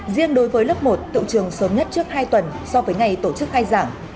riêng đối với lớp một tự trường sớm nhất trước hai tuần so với ngày tổ chức khai giảng